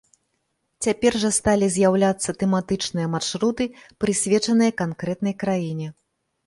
Цяпер жа сталі з'яўляцца тэматычныя маршруты, прысвечаныя канкрэтнай краіне.